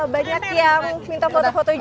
banyak yang minta foto foto juga